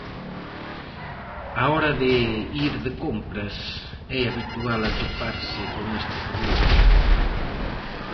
Á hora de ir de compras, é habitual atoparse con este problema...